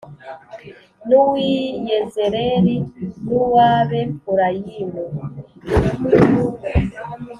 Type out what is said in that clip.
n’uw’i Yezerēli n’uw’Abefurayimu